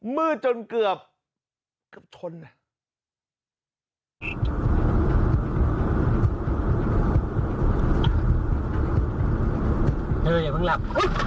มืดจนเกือบ